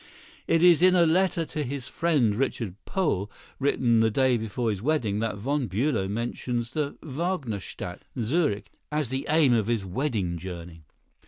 It is in a letter to his friend, Richard Pohl, written the day before his wedding, that Von Bülow mentions the "Wagnerstadt," Zurich, as the aim of his wedding journey.